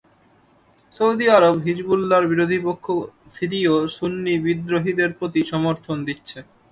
Saudi আরব হিজবুল্লাহর বিরোধী পক্ষ সিরীয় সুন্নি বিদ্রোহীদের প্রতি সমর্থন দিচ্ছে।